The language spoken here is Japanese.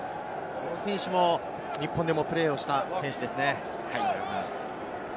この選手も日本でもプレーをした選手ですね。